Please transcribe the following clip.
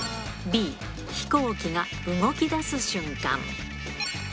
Ｂ、飛行機が動きだす瞬間。